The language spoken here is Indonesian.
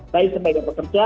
baik sebagai pekerja